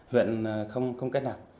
huyện không kết nạp